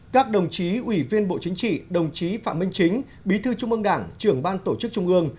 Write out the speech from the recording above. các đồng chí ủy viên bộ chính trị đồng chí phạm minh chính bí thư trung ương đảng trưởng ban tổ chức trung ương